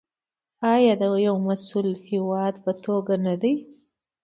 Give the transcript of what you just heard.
آیا د یو مسوول هیواد په توګه نه دی؟